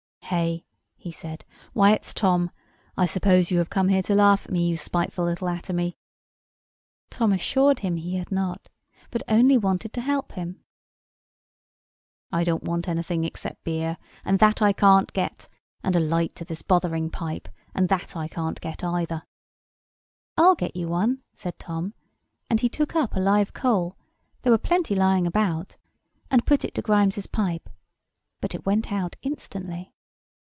"Hey!" he said, "why, it's Tom! I suppose you have come here to laugh at me, you spiteful little atomy?" Tom assured him he had not, but only wanted to help him. "I don't want anything except beer, and that I can't get; and a light to this bothering pipe, and that I can't get either." "I'll get you one," said Tom; and he took up a live coal (there were plenty lying about) and put it to Grimes' pipe: but it went out instantly.